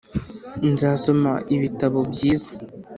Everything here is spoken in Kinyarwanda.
nzasoma ibitabo byiza